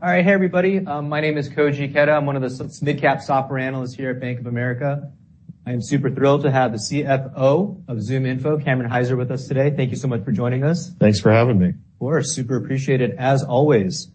All right. Hey, everybody. My name is Koji Ikeda. I'm one of the mid-cap software analysts here at Bank of America. I am super thrilled to have the CFO of ZoomInfo, Cameron Hyzer, with us today. Thank you so much for joining us. Thanks for having me. Of course. Super appreciated, as always.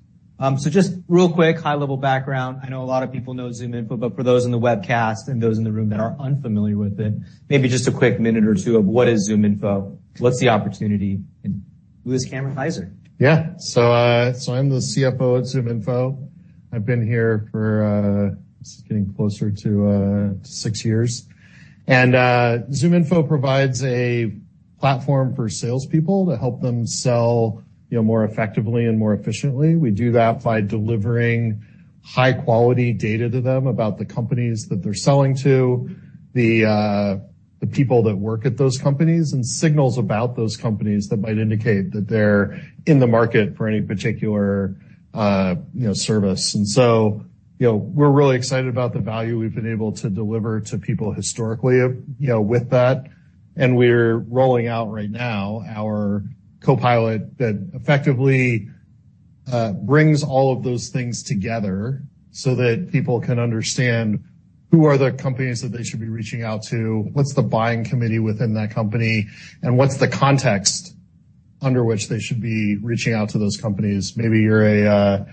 Just real quick, high-level background. I know a lot of people know ZoomInfo, but for those in the webcast and those in the room that are unfamiliar with it, maybe just a quick minute or two of what is ZoomInfo? What's the opportunity, and who is Cameron Hyzer? Yeah. So I'm the CFO at ZoomInfo. I've been here for, this is getting closer to, six years. And, ZoomInfo provides a platform for salespeople to help them sell, you know, more effectively and more efficiently. We do that by delivering high-quality data to them about the companies that they're selling to the people that work at those companies, and signals about those companies that might indicate that they're in the market for any particular, you know, service. And so, you know, we're really excited about the value we've been able to deliver to people historically, you know, with that, and we're rolling out right now our Copilot that effectively brings all of those things together so that people can understand who are the companies that they should be reaching out to, what's the buying committee within that company, and what's the context under which they should be reaching out to those companies. Maybe you're a,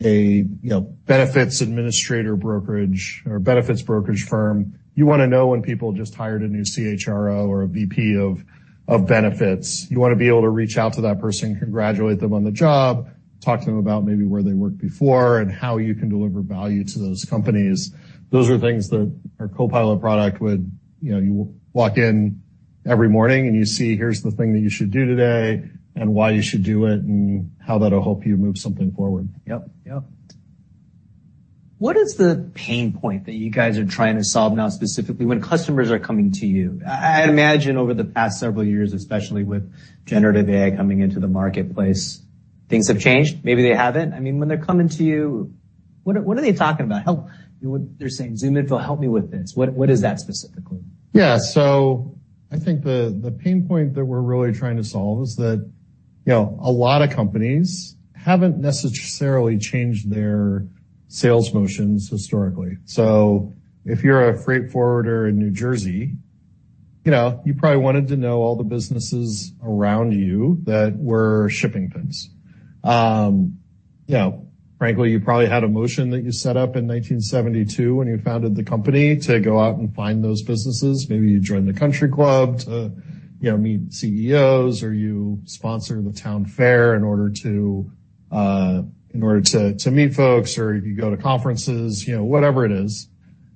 you know, benefits administrator brokerage or benefits brokerage firm. You wanna know when people just hired a new CHRO or a VP of benefits. You wanna be able to reach out to that person, congratulate them on the job, talk to them about maybe where they worked before and how you can deliver value to those companies. Those are things that our Copilot product would... You know, you walk in every morning, and you see, here's the thing that you should do today and why you should do it, and how that'll help you move something forward. Yep. Yep. What is the pain point that you guys are trying to solve now, specifically when customers are coming to you? I'd imagine over the past several years, especially with generative AI coming into the marketplace, things have changed. Maybe they haven't. I mean, when they're coming to you, what are they talking about? What they're saying, "ZoomInfo, help me with this." What is that specifically? Yeah. So I think the pain point that we're really trying to solve is that, you know, a lot of companies haven't necessarily changed their sales motions historically. So if you're a freight forwarder in New Jersey, you know, you probably wanted to know all the businesses around you that were shipping bins. You know, frankly, you probably had a motion that you set up in 1972 when you founded the company to go out and find those businesses. Maybe you joined the country club to, you know, meet CEOs, or you sponsor the town fair in order to meet folks, or you go to conferences, you know, whatever it is.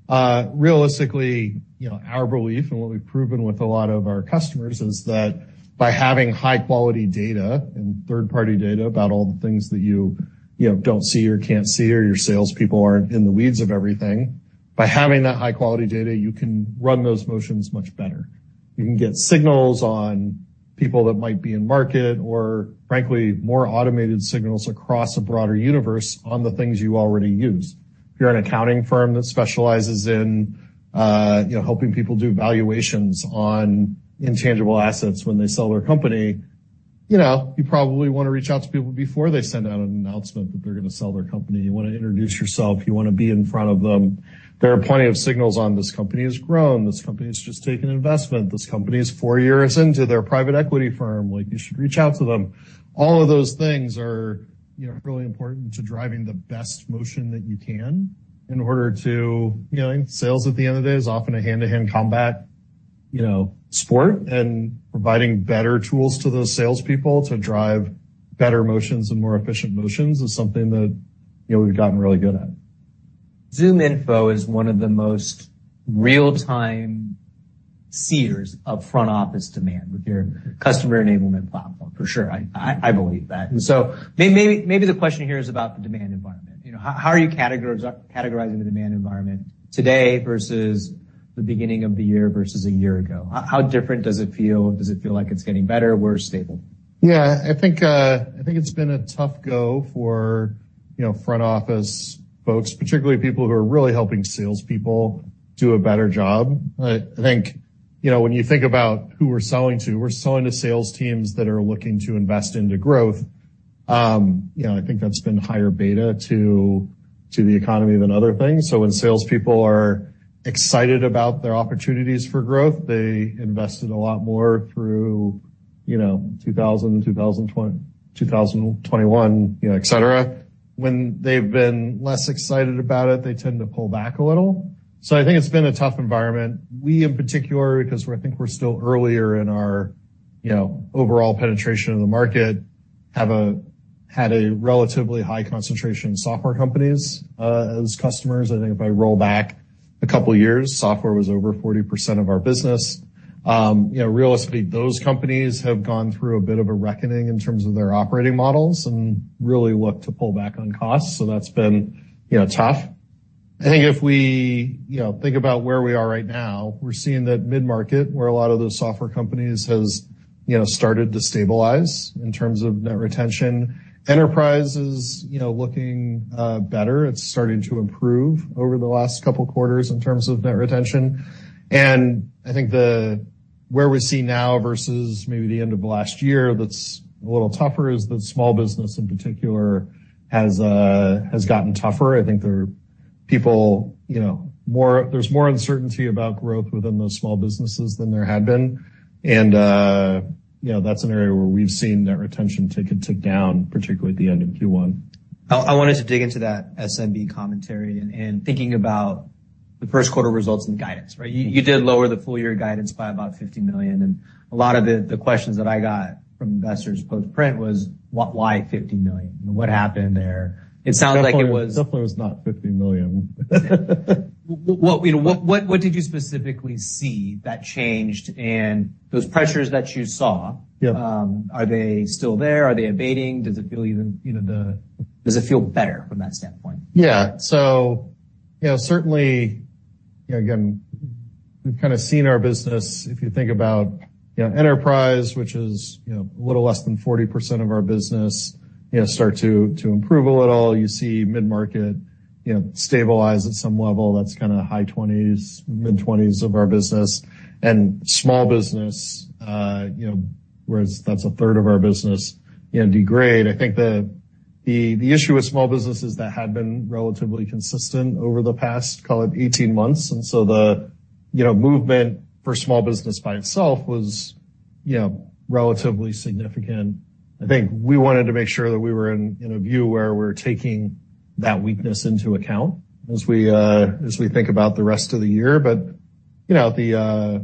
Realistically, you know, our belief and what we've proven with a lot of our customers is that by having high-quality data and third-party data about all the things that you, you know, don't see or can't see, or your salespeople aren't in the weeds of everything, by having that high-quality data, you can run those motions much better. You can get signals on people that might be in market or frankly, more automated signals across a broader universe on the things you already use. If you're an accounting firm that specializes in, you know, helping people do valuations on intangible assets when they sell their company, you know, you probably wanna reach out to people before they send out an announcement that they're gonna sell their company. You wanna introduce yourself. You wanna be in front of them. There are plenty of signals on this company has grown, this company has just taken investment, this company is four years into their private equity firm, like you should reach out to them. All of those things are, you know, really important to driving the best motion that you can in order to... You know, sales at the end of the day is often a hand-to-hand combat, you know, sport, and providing better tools to those salespeople to drive better motions and more efficient motions is something that, you know, we've gotten really good at. ZoomInfo is one of the most real-time sensors of front-office demand with your customer enablement platform. For sure, I believe that. And so maybe the question here is about the demand environment. You know, how are you categorizing the demand environment today versus the beginning of the year versus a year ago? How different does it feel? Does it feel like it's getting better, worse, stable? Yeah, I think it's been a tough go for, you know, front-office folks, particularly people who are really helping salespeople do a better job. I think, you know, when you think about who we're selling to, we're selling to sales teams that are looking to invest into growth. You know, I think that's been higher beta to, to the economy than other things. So when salespeople are excited about their opportunities for growth, they invested a lot more through, you know, 2020, 2021, you know, et cetera. When they've been less excited about it, they tend to pull back a little. So I think it's been a tough environment. We, in particular, 'cause we're—I think we're still earlier in our, you know, overall penetration of the market, have had a relatively high concentration of software companies as customers. I think if I roll back a couple of years, software was over 40% of our business. You know, realistically, those companies have gone through a bit of a reckoning in terms of their operating models and really look to pull back on costs, so that's been, you know, tough. I think if we, you know, think about where we are right now, we're seeing that mid-market, where a lot of those software companies has, you know, started to stabilize in terms of net retention. Enterprise is, you know, looking better. It's starting to improve over the last couple of quarters in terms of net retention, and I think the... Where we see now versus maybe the end of last year that's a little tougher is that small business, in particular, has gotten tougher. I think there are people, you know, there's more uncertainty about growth within those small businesses than there had been. And, you know, that's an area where we've seen net retention tick down, particularly at the end of Q1. I wanted to dig into that SMB commentary and thinking about the first quarter results and guidance, right? You did lower the full year guidance by about $50 million, and a lot of the questions that I got from investors post-print was, why $50 million? What happened there? It sounded like it was- The number was not $50 million. What did you specifically see that changed, and those pressures that you saw. Are they still there? Are they abating? Does it feel even, you know, does it feel better from that standpoint? Yeah. So, you know, certainly, you know, again, we've kind of seen our business, if you think about, you know, enterprise, which is, you know, a little less than 40% of our business, you know, start to improve a little. You see mid-market, you know, stabilize at some level, that's kind of high 20s, mid-20s of our business. And small business, you know, whereas that's a third of our business, you know, degrade. I think the issue with small businesses that had been relatively consistent over the past, call it 18 months, and so the, you know, movement for small business by itself was, you know, relatively significant. I think we wanted to make sure that we were in a view where we're taking that weakness into account as we think about the rest of the year. But, you know, the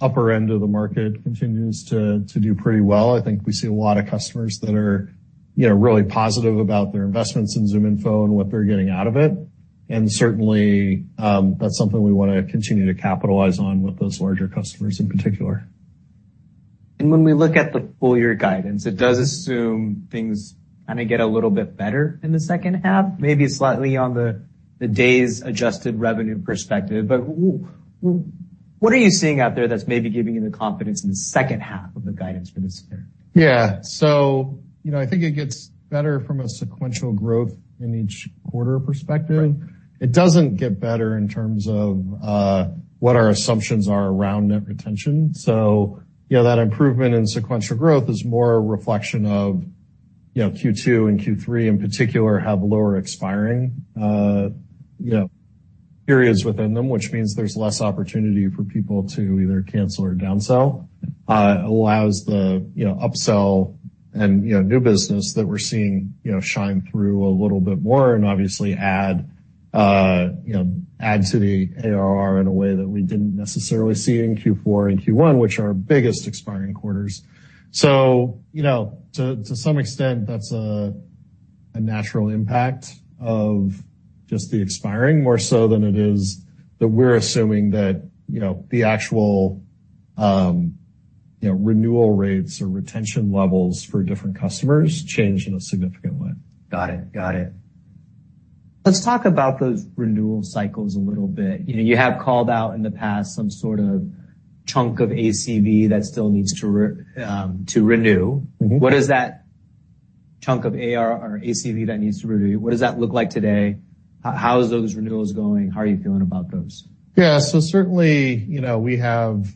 upper end of the market continues to do pretty well. I think we see a lot of customers that are, you know, really positive about their investments in ZoomInfo and what they're getting out of it. And certainly, that's something we want to continue to capitalize on with those larger customers in particular. When we look at the full year guidance, it does assume things kind of get a little bit better in the second half, maybe slightly on the Days Adjusted Revenue perspective. But what are you seeing out there that's maybe giving you the confidence in the second half of the guidance for this year? Yeah. So, you know, I think it gets better from a sequential growth in each quarter perspective. It doesn't get better in terms of what our assumptions are around net retention. So, you know, that improvement in sequential growth is more a reflection of, you know, Q2 and Q3, in particular, have lower expiring, you know, periods within them, which means there's less opportunity for people to either cancel or downsell, allows the, you know, upsell and, you know, new business that we're seeing, you know, shine through a little bit more and obviously add, you know, add to the ARR in a way that we didn't necessarily see in Q4 and Q1, which are our biggest expiring quarters. So, you know, to some extent, that's a natural impact of just the expiring, more so than it is that we're assuming that, you know, the actual, you know, renewal rates or retention levels for different customers change in a significant way. Got it. Got it. Let's talk about those renewal cycles a little bit. You know, you have called out in the past some sort of chunk of ACV that still needs to renew. What is that chunk of ARR or ACV that needs to renew? What does that look like today? How is those renewals going? How are you feeling about those? Yeah. So certainly, you know, we have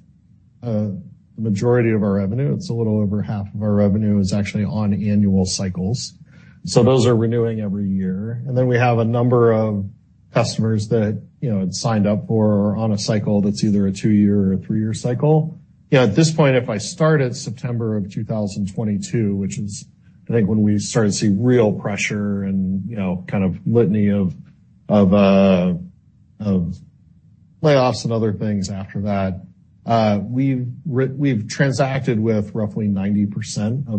the majority of our revenue, it's a little over half of our revenue is actually on annual cycles. So those are renewing every year. And then we have a number of customers that, you know, had signed up for or are on a cycle that's either a two-year or a three-year cycle. You know, at this point, if I start at September of 2022, which is, I think, when we started to see real pressure and, you know, kind of litany of layoffs and other things after that, we've transacted with roughly 90%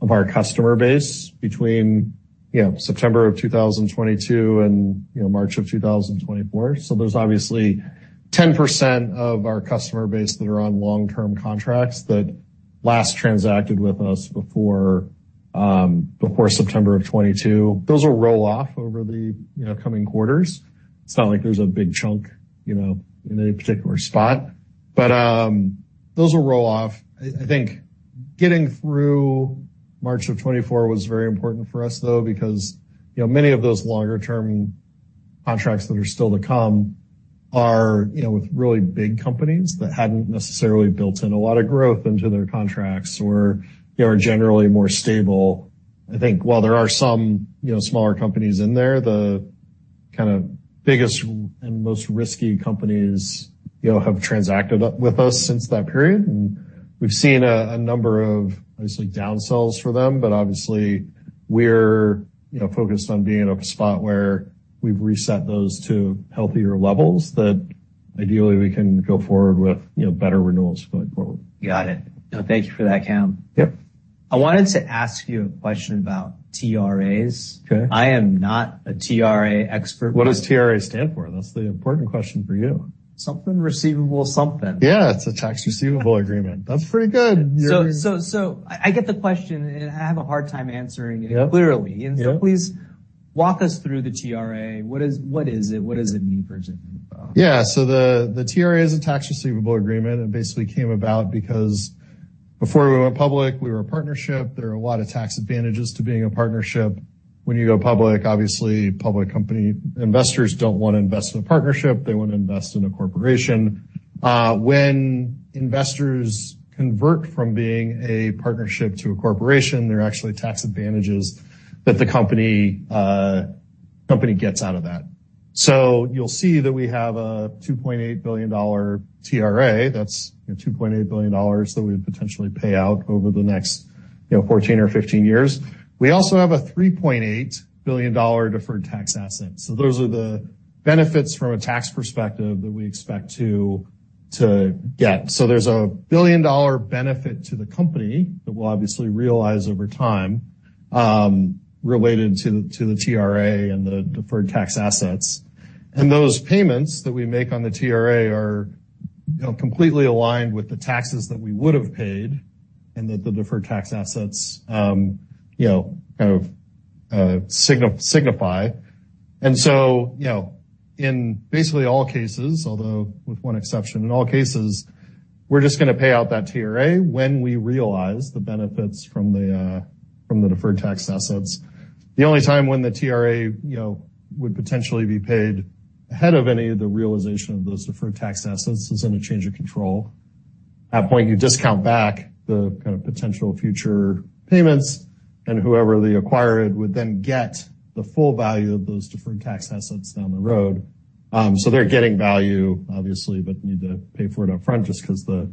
of our customer base between, you know, September of 2022 and, you know, March of 2024. So there's obviously 10% of our customer base that are on long-term contracts that last transacted with us before before September of 2022. Those will roll off over the, you know, coming quarters. It's not like there's a big chunk, you know, in any particular spot, but those will roll off. I think getting through March of 2024 was very important for us, though, because, you know, many of those longer-term contracts that are still to come are, you know, with really big companies that hadn't necessarily built in a lot of growth into their contracts or they are generally more stable. I think while there are some, you know, smaller companies in there, the kind of biggest and most risky companies, you know, have transacted up with us since that period, and we've seen a number of, obviously, downsells for them. Obviously, we're, you know, focused on being in a spot where we've reset those to healthier levels, that ideally, we can go forward with, you know, better renewals going forward. Got it. No, thank you for that, Cam. Yep. I wanted to ask you a question about TRAs. Okay. I am not a TRA expert. What does TRA stand for? That's the important question for you. Something receivable something. Yeah, it's a Tax Receivable Agreement. That's pretty good. So, I get the question, and I have a hard time answering it clearly. Yep. Please walk us through the TRA. What is it? What does it mean for ZoomInfo? Yeah, so the TRA is a Tax Receivable Agreement, and basically came about because before we went public, we were a partnership. There are a lot of tax advantages to being a partnership. When you go public, obviously, public company investors don't want to invest in a partnership. They want to invest in a corporation. When investors convert from being a partnership to a corporation, there are actually tax advantages that the company, company gets out of that. So you'll see that we have a $2.8 billion TRA. That's $2.8 billion that we potentially pay out over the next, you know, 14 or 15 years. We also have a $3.8 billion deferred tax asset. So those are the benefits from a tax perspective that we expect to get. There's a billion-dollar benefit to the company that we'll obviously realize over time, related to the TRA and the deferred tax assets. Those payments that we make on the TRA are, you know, completely aligned with the taxes that we would have paid and that the deferred tax assets, you know, kind of signify. In basically all cases, although with one exception, in all cases, we're just gonna pay out that TRA when we realize the benefits from the deferred tax assets. The only time when the TRA, you know, would potentially be paid ahead of any of the realization of those deferred tax assets is in a change of control. At that point, you discount back the kind of potential future payments, and whoever the acquirer would then get the full value of those deferred tax assets down the road. So they're getting value, obviously, but need to pay for it upfront just because the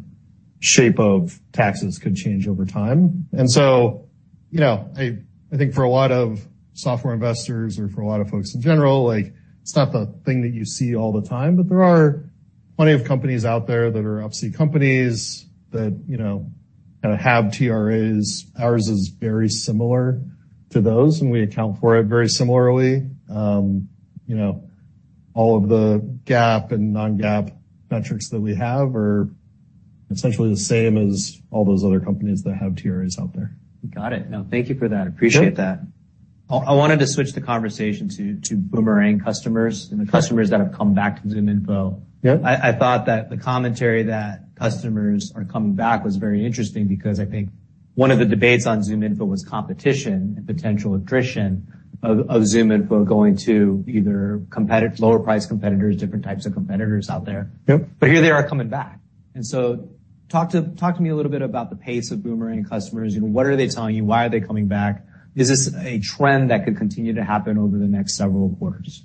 shape of taxes could change over time. And so, you know, I think for a lot of software investors or for a lot of folks in general, like, it's not the thing that you see all the time, but there are plenty of companies out there that are Up-C companies that, you know, kind of have TRAs. Ours is very similar to those, and we account for it very similarly. You know, all of the GAAP and non-GAAP metrics that we have are essentially the same as all those other companies that have TRAs out there. Got it. No, thank you for that. Appreciate that. I wanted to switch the conversation to boomerang customers and the customers that have come back to ZoomInfo. Yep. I thought that the commentary that customers are coming back was very interesting because I think one of the debates on ZoomInfo was competition and potential attrition of ZoomInfo going to either competitive, lower price competitors, different types of competitors out there. Yep. But here they are coming back. And so talk to me a little bit about the pace of boomerang customers. You know, what are they telling you? Why are they coming back? Is this a trend that could continue to happen over the next several quarters?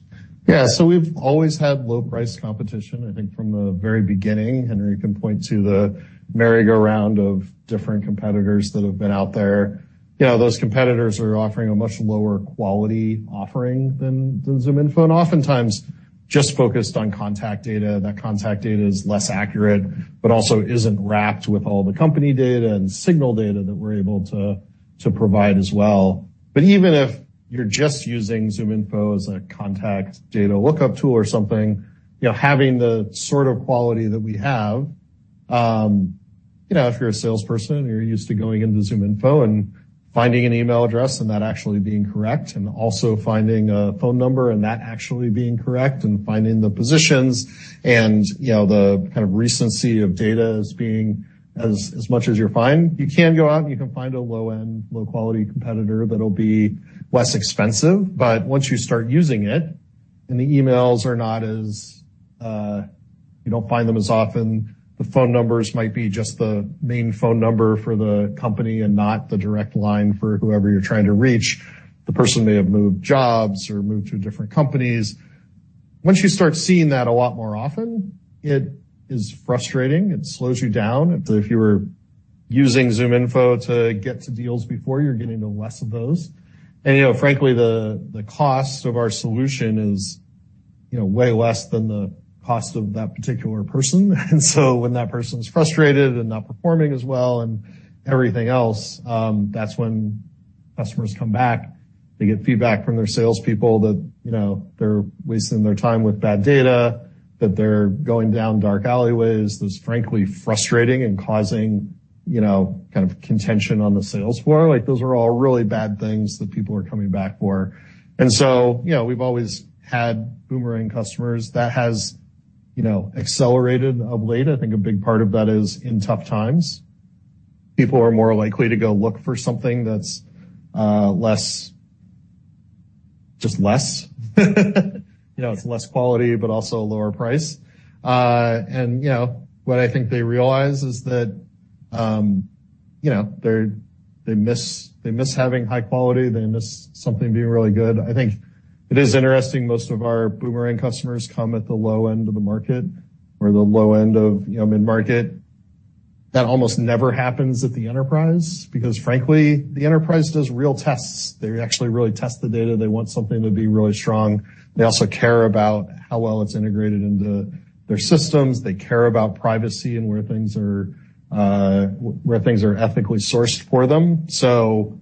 Yeah. So we've always had low-price competition, I think, from the very beginning. Henry, you can point to the merry-go-round of different competitors that have been out there. You know, those competitors are offering a much lower quality offering than ZoomInfo, and oftentimes just focused on contact data. That contact data is less accurate, but also isn't wrapped with all the company data and signal data that we're able to provide as well. But even if you're just using ZoomInfo as a contact data lookup tool or something, you know, having the sort of quality that we have, you know, if you're a salesperson and you're used to going into ZoomInfo and finding an email address, and that actually being correct, and also finding a phone number, and that actually being correct, and finding the positions, and, you know, the kind of recency of data as being as much as you're fine, you can go out and you can find a low-end, low-quality competitor that'll be less expensive. But once you start using it, and the emails are not as, you don't find them as often, the phone numbers might be just the main phone number for the company and not the direct line for whoever you're trying to reach. The person may have moved jobs or moved to different companies. Once you start seeing that a lot more often, it is frustrating. It slows you down. If you were using ZoomInfo to get to deals before, you're getting to less of those. And, you know, frankly, the cost of our solution is, you know, way less than the cost of that particular person. And so when that person's frustrated and not performing as well and everything else, that's when customers come back. They get feedback from their salespeople that, you know, they're wasting their time with bad data, that they're going down dark alleyways. That's frankly frustrating and causing, you know, kind of contention on the sales floor. Like, those are all really bad things that people are coming back for. And so, you know, we've always had boomerang customers that has, you know, accelerated of late. I think a big part of that is in tough times, people are more likely to go look for something that's, less, just less. You know, it's less quality, but also a lower price. And you know, what I think they realize is that, you know, they, they miss, they miss having high quality. They miss something being really good. I think it is interesting, most of our boomerang customers come at the low end of the market or the low end of, you know, mid-market. That almost never happens at the enterprise because, frankly, the enterprise does real tests. They actually really test the data. They want something to be really strong. They also care about how well it's integrated into their systems. They care about privacy and where things are, where things are ethically sourced for them. So,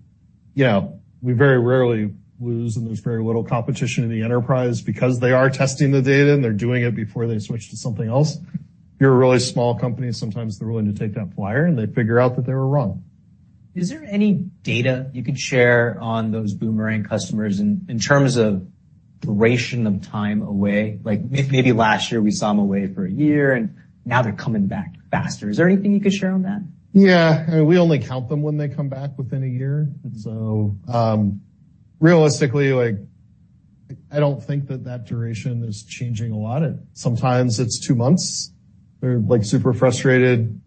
you know, we very rarely lose, and there's very little competition in the enterprise because they are testing the data, and they're doing it before they switch to something else. You're a really small company, sometimes they're willing to take that flyer, and they figure out that they were wrong. Is there any data you could share on those boomerang customers in terms of duration of time away? Like, maybe last year, we saw them away for a year, and now they're coming back faster. Is there anything you could share on that? Yeah. We only count them when they come back within a year. So, realistically, like, I don't think that that duration is changing a lot. Sometimes it's two months. They're, like, super frustrated.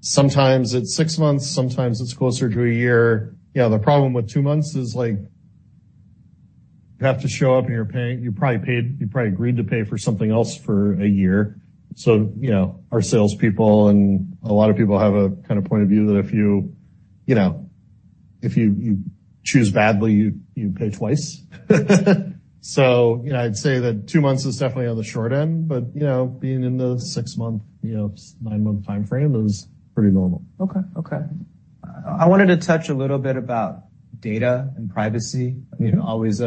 Sometimes it's six months, sometimes it's closer to a year. Yeah, the problem with two months is, like, you have to show up, and you're paying—you probably paid—you probably agreed to pay for something else for a year. So, you know, our salespeople and a lot of people have a kind of point of view that if you, you know, if you, you choose badly, you, you pay twice. So I'd say that two months is definitely on the short end, but, you know, being in the six-month, you know, nine-month time frame is pretty normal. Okay. Okay. I wanted to touch a little bit about data and privacy. You know, always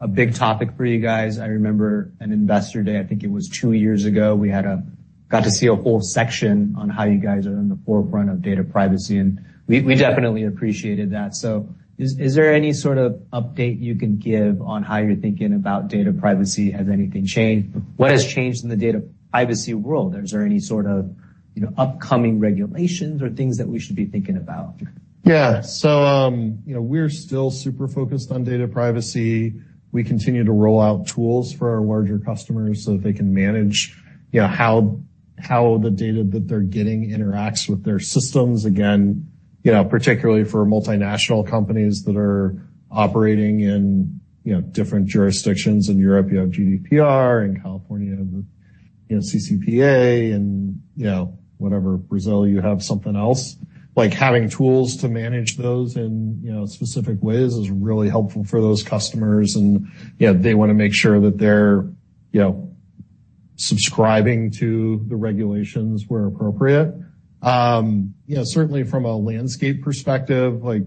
a big topic for you guys. I remember an Investor Day, I think it was two years ago, we had a-- got to see a whole section on how you guys are in the forefront of data privacy, and we definitely appreciated that. So is there any sort of update you can give on how you're thinking about data privacy? Has anything changed? What has changed in the data privacy world? Is there any sort of, you know, upcoming regulations or things that we should be thinking about? Yeah. So, you know, we're still super focused on data privacy. We continue to roll out tools for our larger customers so that they can manage, you know, how the data that they're getting interacts with their systems. Again, you know, particularly for multinational companies that are operating in, you know, different jurisdictions. In Europe, you have GDPR, in California, you have, you know, CCPA, and, you know, whatever, Brazil, you have something else. Like, having tools to manage those in, you know, specific ways is really helpful for those customers, and, yeah, they want to make sure that they're, you know, subscribing to the regulations where appropriate. You know, certainly from a landscape perspective, like,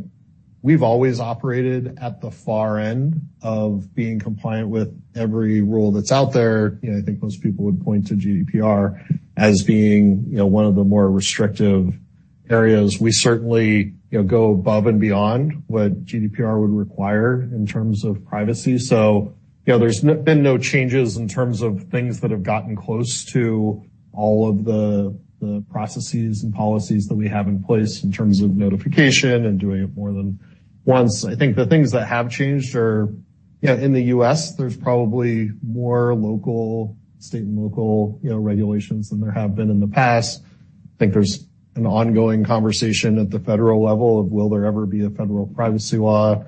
we've always operated at the far end of being compliant with every rule that's out there. You know, I think most people would point to GDPR as being, you know, one of the more restrictive areas. We certainly, you know, go above and beyond what GDPR would require in terms of privacy. So, you know, there's been no changes in terms of things that have gotten close to all of the, the processes and policies that we have in place in terms of notification and doing it more than once. I think the things that have changed are, you know, in the U.S., there's probably more local, state, and local, you know, regulations than there have been in the past. I think there's an ongoing conversation at the federal level of will there ever be a federal privacy law?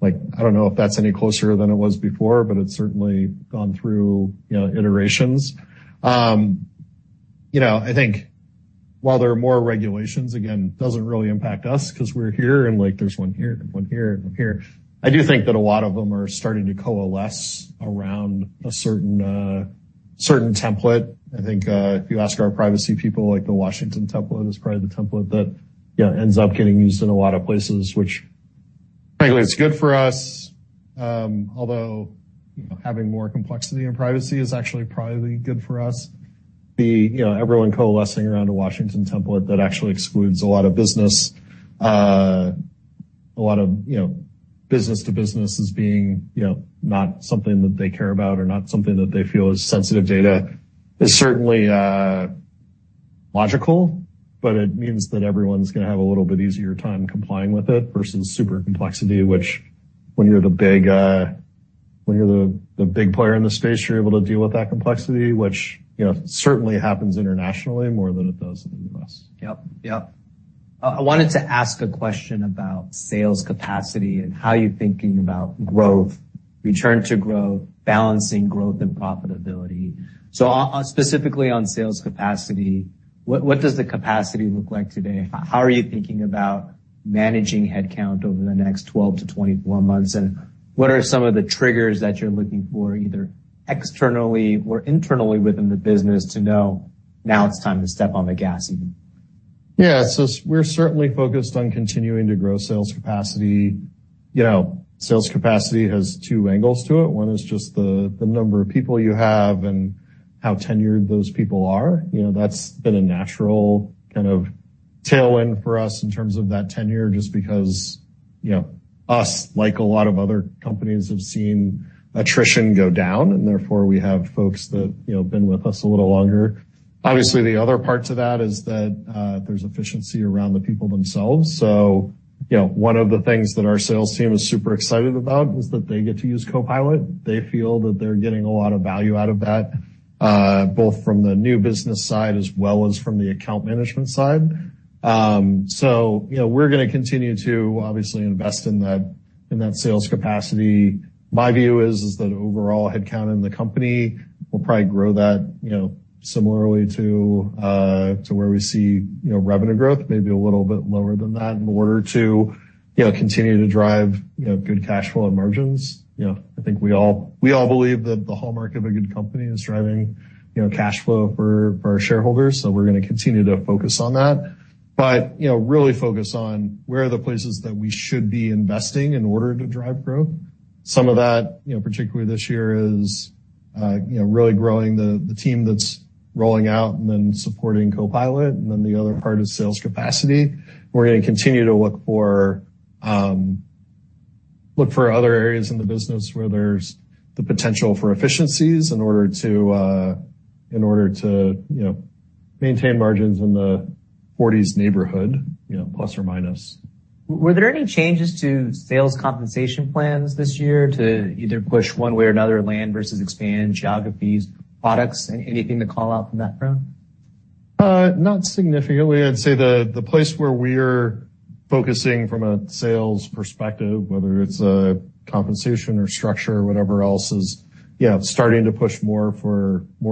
Like, I don't know if that's any closer than it was before, but it's certainly gone through, you know, iterations. You know, I think while there are more regulations, again, doesn't really impact us 'cause we're here, and, like, there's one here, and one here, and one here. I do think that a lot of them are starting to coalesce around a certain, certain template. I think, if you ask our privacy people, like, the Washington template is probably the template that, you know, ends up getting used in a lot of places, which, frankly, it's good for us, although, you know, having more complexity in privacy is actually probably good for us. You know, everyone coalescing around a Washington template that actually excludes a lot of business, a lot of, you know, business to business as being, you know, not something that they care about or not something that they feel is sensitive data, is certainly logical, but it means that everyone's gonna have a little bit easier time complying with it versus super complexity, which when you're the big player in the space, you're able to deal with that complexity, which, you know, certainly happens internationally more than it does in the U.S. Yep. Yep. I wanted to ask a question about sales capacity and how you're thinking about growth, return to growth, balancing growth and profitability. So specifically on sales capacity, what does the capacity look like today? How are you thinking about managing headcount over the next 12-24 months? And what are some of the triggers that you're looking for, either externally or internally within the business, to know now it's time to step on the gas even? Yeah. So we're certainly focused on continuing to grow sales capacity. You know, sales capacity has two angles to it. One is just the, the number of people you have and how tenured those people are. You know, that's been a natural kind of tailwind for us in terms of that tenure, just because, you know, us, like a lot of other companies, have seen attrition go down, and therefore, we have folks that, you know, have been with us a little longer. Obviously, the other part to that is that, there's efficiency around the people themselves. So, you know, one of the things that our sales team is super excited about is that they get to use Copilot. They feel that they're getting a lot of value out of that, both from the new business side as well as from the account management side. So you know, we're gonna continue to, obviously, invest in that, in that sales capacity. My view is, is that overall headcount in the company will probably grow that, you know, similarly to where we see, you know, revenue growth, maybe a little bit lower than that, in order to, you know, continue to drive, you know, good cash flow and margins. You know, I think we all believe that the hallmark of a good company is driving, you know, cash flow for our shareholders, so we're gonna continue to focus on that. But, you know, really focus on where are the places that we should be investing in order to drive growth. Some of that, you know, particularly this year, is... You know, really growing the team that's rolling out and then supporting Copilot, and then the other part is sales capacity. We're gonna continue to look for other areas in the business where there's the potential for efficiencies in order to, you know, maintain margins in the 40s neighborhood, you know, plus or minus. Were there any changes to sales compensation plans this year to either push one way or another, land versus expand, geographies, products, anything to call out from that front? Not significantly. I'd say the place where we're focusing from a sales perspective, whether it's compensation or structure or whatever else, is, you know, starting to push more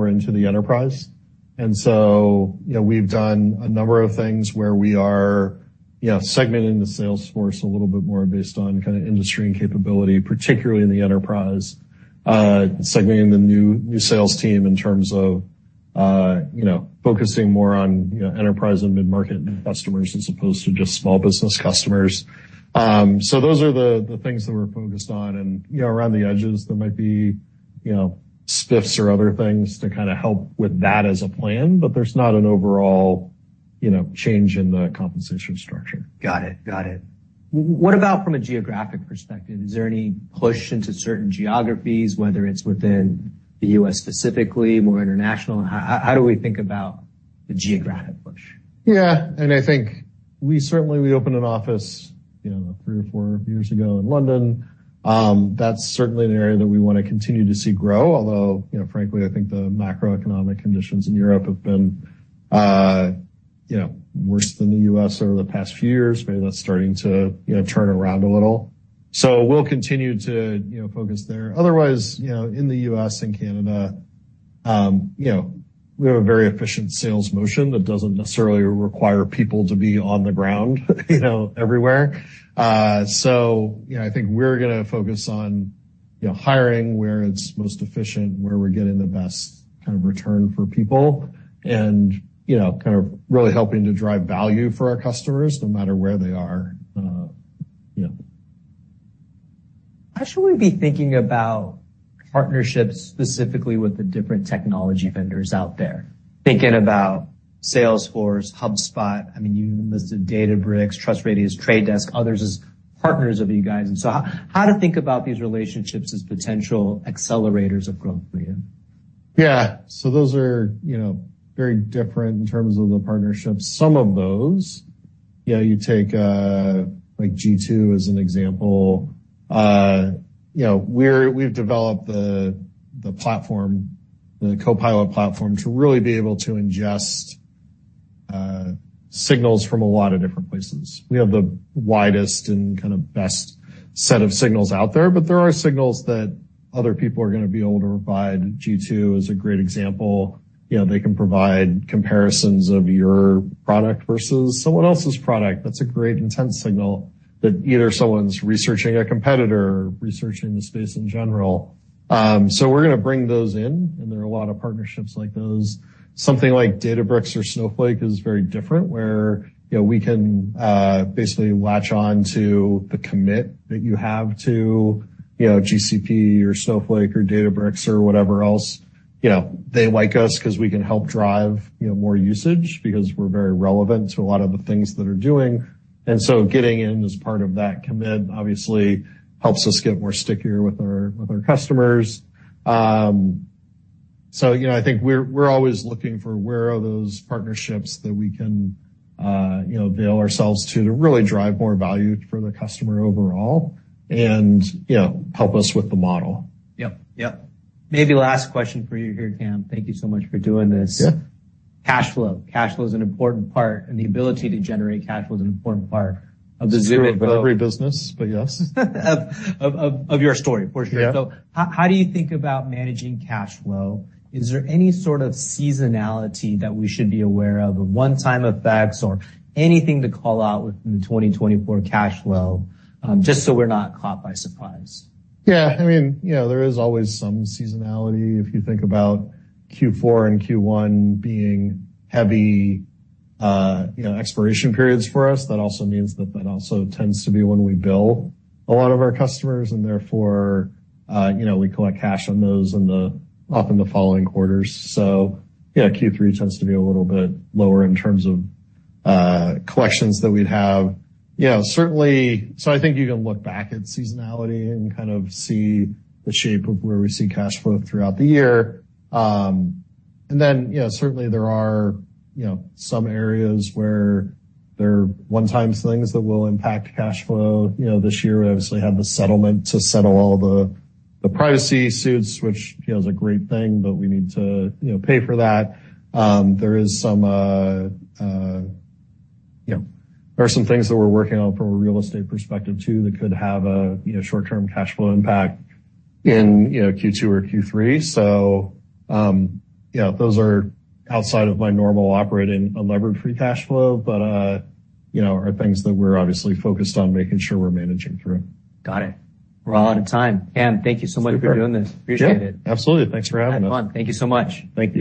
into the enterprise. And so, you know, we've done a number of things where we are, you know, segmenting the sales force a little bit more based on kind of industry and capability, particularly in the enterprise. Segmenting the new sales team in terms of, you know, focusing more on, you know, enterprise and mid-market customers as opposed to just small business customers. So those are the things that we're focused on. And, you know, around the edges, there might be, you know, spiffs or other things to kind of help with that as a plan, but there's not an overall, you know, change in the compensation structure. Got it. Got it. What about from a geographic perspective? Is there any push into certain geographies, whether it's within the U.S. specifically, more international? How do we think about the geographic push? Yeah, and I think we certainly, we opened an office, you know, three or four years ago in London. That's certainly an area that we want to continue to see grow, although, you know, frankly, I think the macroeconomic conditions in Europe have been, you know, worse than the US over the past few years. Maybe that's starting to, you know, turn around a little. So we'll continue to, you know, focus there. Otherwise, you know, in the U.S. and Canada, you know, we have a very efficient sales motion that doesn't necessarily require people to be on the ground, you know, everywhere. So, you know, I think we're gonna focus on, you know, hiring where it's most efficient, where we're getting the best kind of return for people and, you know, kind of really helping to drive value for our customers no matter where they are, you know. How should we be thinking about partnerships, specifically with the different technology vendors out there? Thinking about Salesforce, HubSpot, I mean, you even listed Databricks, TrustRadius, Trade Desk, others as partners of you guys. And so how to think about these relationships as potential accelerators of growth for you? Yeah. So those are, you know, very different in terms of the partnerships. Some of those, you know, you take, like G2 as an example. You know, we've developed the platform, the Copilot platform, to really be able to ingest signals from a lot of different places. We have the widest and kind of best set of signals out there, but there are signals that other people are gonna be able to provide. G2 is a great example. You know, they can provide comparisons of your product versus someone else's product. That's a great intent signal that either someone's researching a competitor or researching the space in general. So we're gonna bring those in, and there are a lot of partnerships like those. Something like Databricks or Snowflake is very different, where, you know, we can basically latch on to the commit that you have to, you know, GCP or Snowflake or Databricks or whatever else. You know, they like us 'cause we can help drive, you know, more usage because we're very relevant to a lot of the things that are doing. And so getting in as part of that commit obviously helps us get more stickier with our, with our customers. So, you know, I think we're always looking for where are those partnerships that we can, you know, avail ourselves to really drive more value for the customer overall and, you know, help us with the model. Yep. Yep. Maybe last question for you here, Cam. Thank you so much for doing this. Yeah. Cash flow. Cash flow is an important part, and the ability to generate cash flow is an important part of the- It's true of every business, but yes. Of your story, for sure. Yeah. So how do you think about managing cash flow? Is there any sort of seasonality that we should be aware of one-time effects or anything to call out within the 2024 cash flow, just so we're not caught by surprise? Yeah, I mean, you know, there is always some seasonality. If you think about Q4 and Q1 being heavy, you know, expiration periods for us, that also means that that also tends to be when we bill a lot of our customers, and therefore, you know, we collect cash on those in the often the following quarters. So, you know, Q3 tends to be a little bit lower in terms of collections that we'd have. You know, certainly. So I think you can look back at seasonality and kind of see the shape of where we see cash flow throughout the year. And then, you know, certainly there are, you know, some areas where there are one-time things that will impact cash flow. You know, this year, we obviously have the settlement to settle all the privacy suits, which, you know, is a great thing, but we need to, you know, pay for that. There are some things that we're working on from a real estate perspective, too, that could have a, you know, short-term cash flow impact in, you know, Q2 or Q3. So, you know, those are outside of my normal operating unlevered free cash flow, but, you know, are things that we're obviously focused on making sure we're managing through. Got it. We're all out of time. Cam, thank you so much for doing this. Yeah. Appreciate it. Absolutely. Thanks for having us. Had fun. Thank you so much. Thank you.